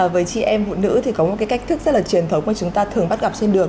với chị em phụ nữ thì có một cái cách thức rất là truyền thống mà chúng ta thường bắt gặp trên đường